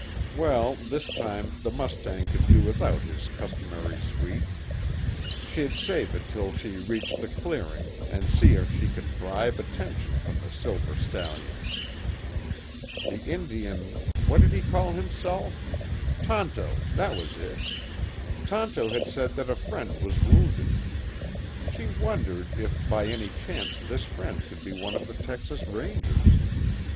Well, this time the mustang could do without his customary sweet. She'd save it till she reached the clearing, and see if she could bribe attention from the silver stallion. The Indian what did he call himself? Tonto that was it. Tonto had said that a friend was wounded. She wondered if by any chance this friend could be one of the Texas Rangers.